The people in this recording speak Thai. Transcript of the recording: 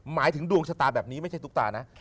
หมายถึงดวงชะตาแบบนี้ไม่ใช่ตุ๊กตานะ